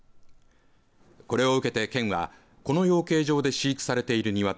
これを受けて県はこの養鶏場で飼育されている鶏